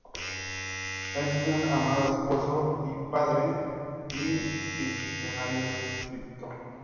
Es un amado esposo y padre, y un disciplinario estricto.